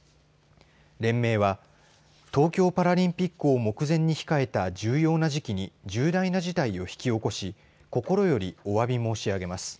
連盟は東京パラリンピックを目前に控えた重要な時期に重大な事態を引き起こし心よりおわび申し上げます。